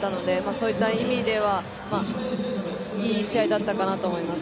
そういった意味ではいい試合だったかなと思います。